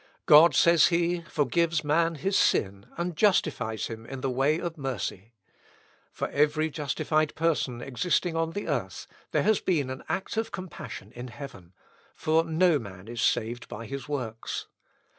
"God," says he, "forgives man his sin, and justifies him in the way of mercy. For every justified person existing on the earth, there has been an act of compassion in heaven; for no man is saved by his works.